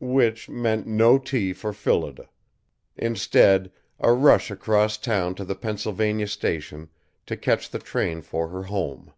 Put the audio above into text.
Which meant no tea for Phillida; instead, a rush across town to the Pennsylvania station to catch the train for her home.